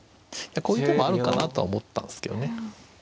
こういう手もあるかなとは思ったんですけどね。